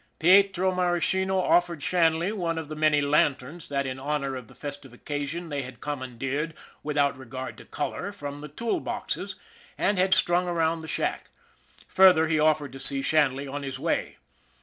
Pietro Maraschino offered Shanley one of the many lanterns that, in honor of the festive occa sion, they had commandeered, without regard to color, from the tool boxes, and had strung around the shack. Further, he offered to see Shanley on his way.